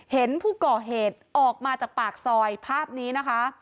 เห็นผู้ก่อเหตุออกมาจากปากซอยภาพนี้นะคะ